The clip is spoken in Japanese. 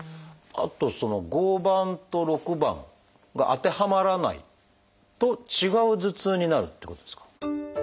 あと５番と６番が当てはまらないと違う頭痛になるっていうことですか？